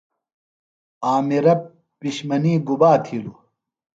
عامرہ پِشمنی گُبا تِھیلوۡ؟